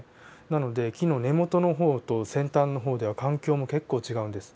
なので木の根元の方と先端の方では環境も結構違うんです。